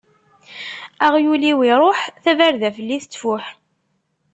Aɣyul-iw iṛuḥ, tabarda fell-i tettfuḥ.